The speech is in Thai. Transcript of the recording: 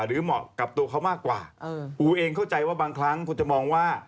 เหมาะกับตัวเขามากกว่าอูเองเข้าใจว่าบางครั้งคุณจะมองว่า